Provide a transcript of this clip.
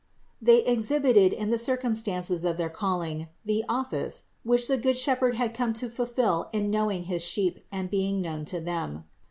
They exhibited in the circumstances of their calling the office, which the good Shepherd had come to fulfill in knowing his Sheep and being known to them.